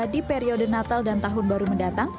di periode natal dan tahun baru mendatang